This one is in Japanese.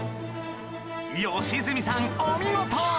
良純さんお見事！